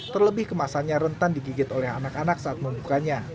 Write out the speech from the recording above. terlebih kemasannya rentan digigit oleh anak anak saat membukanya